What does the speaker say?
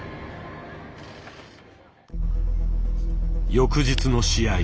翌日の試合。